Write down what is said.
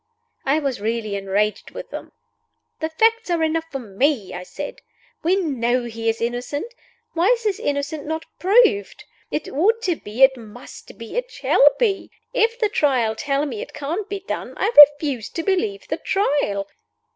I was really enraged with them. "The facts are enough for me," I said. "We know he is innocent. Why is his innocence not proved? It ought to be, it must be, it shall be! If the Trial tell me it can't be done, I refuse to believe the Trial.